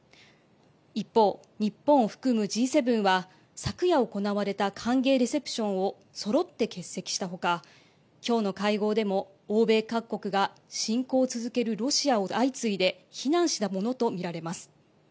一方、日本を含むＧ７は昨夜行われた歓迎レセプションをそろって欠席したほかきょうの会合でも、欧米各国が侵攻を続けるロシアを相次いで非難したものと見られます。